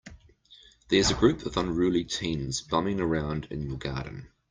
There's a group of unruly teens bumming around in your garden.